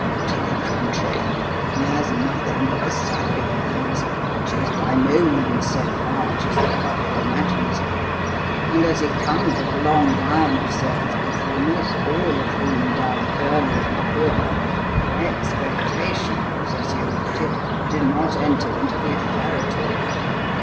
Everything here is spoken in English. "To the contrary; he has nothing but the salary he earns which is by no means so large as the public imagines; and as he comes of a long line of circus performers, all of whom died early and poor, 'expectations,' as you put it, do not enter into the affair at all.